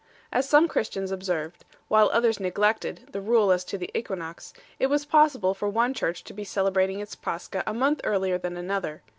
As some Christians observed, while others neglected, the rule as to the equinox, it was possible for one Church to be celebrating its Pascha a month earlier than another.